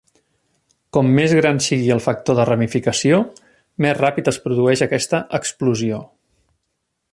Com més gran sigui el factor de ramificació, més ràpid es produeix aquesta "explosió".